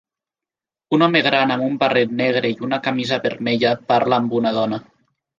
Un home gran amb un barret negre i una camisa vermella parla amb una dona.